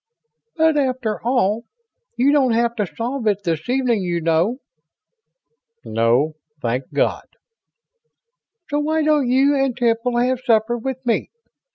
"But after all, you don't have to solve it this evening, you know." "No, thank God." "So why don't you and Temple have supper with me?